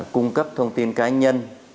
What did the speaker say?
cung cấp thông tin cá nhân